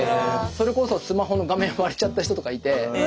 それこそスマホの画面割れちゃった人とかいて。